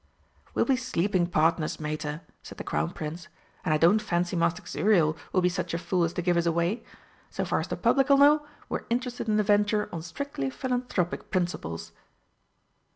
"We'll be sleeping partners, Mater," said the Crown Prince, "and I don't fancy Master Xuriel will be such a fool as to give us away. So far as the Public'll know, we're interested in the venture on strictly philanthropic principles."